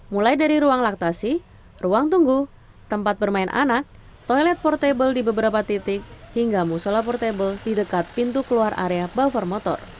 mulai dari ruang laktasi ruang tunggu tempat bermain anak toilet portable di beberapa titik hingga musola portable di dekat pintu keluar area buffer motor